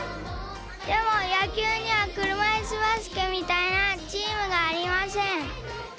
でもやきゅうにはくるまいすバスケみたいなチームがありません。